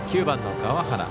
９番の川原。